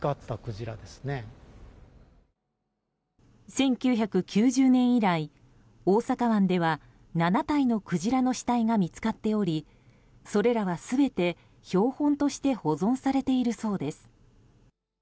１９９０年以来、大阪湾では７体のクジラの死体が見つかっておりそれらは全て標本として保存されているそうです。